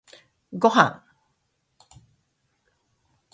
ごはん